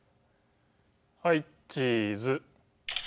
はいチーズ。